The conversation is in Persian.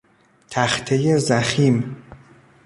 تختهی ضخیم